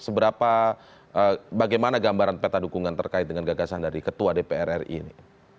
seberapa bagaimana gambaran peta dukungan terkait dengan gagasan dari ketua dpr ri ini